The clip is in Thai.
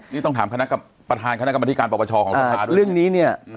นี่ต้องถามคณะกับประธานคณะกับบัตริการประวัติศาสตร์ของสถาน